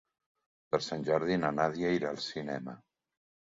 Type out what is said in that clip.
Per Sant Jordi na Nàdia irà al cinema.